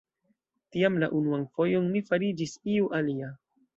Tiam la unuan fojon mi fariĝis iu alia.